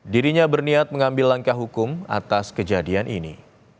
dirinya berniat mengambil langkah hukum atas kejadian ini